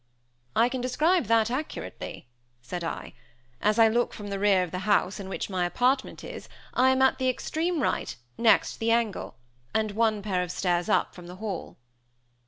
"I can describe that accurately," said I. "As I look from the rear of the house, in which my apartment is, I am at the extreme right, next the angle; and one pair of stairs up, from the hall."